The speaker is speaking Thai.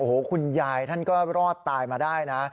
โอ้โหคุณยายท่านก็รอดตายมาได้นะ